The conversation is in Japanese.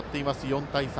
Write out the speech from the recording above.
４対３。